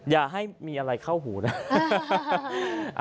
อย่าให้มีอะไรเข้าหูนะ